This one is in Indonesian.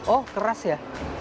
oh keras ya